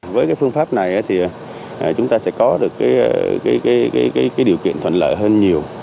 với cái phương pháp này thì chúng ta sẽ có được điều kiện thuận lợi hơn nhiều